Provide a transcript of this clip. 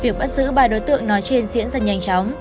việc bắt giữ ba đối tượng nói trên diễn ra nhanh chóng